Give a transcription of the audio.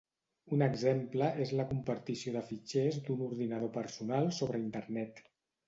Un exemple és la compartició de fitxers d'un ordinador personal sobre Internet.